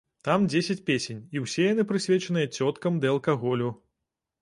Там дзесяць песень і ўсе яны прысвечаныя цёткам ды алкаголю.